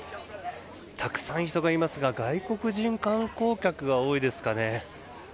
たくさん、人がいますが外国人観光客が多いですかね。